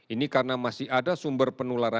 ini karena masih ada sumber penularan